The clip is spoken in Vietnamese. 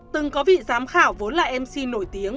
từng có vị giám khảo vốn là mc nổi tiếng